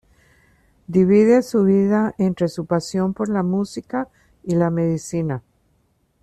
Divide su vida entre su pasión por la música y la medicina.